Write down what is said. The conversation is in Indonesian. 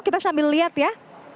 kita sambil lihat ya